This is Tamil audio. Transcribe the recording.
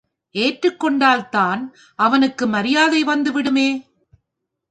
ஏற்றுக்கொண்டால்தான் அவனுக்கு மரியாதை வந்து விடுமே!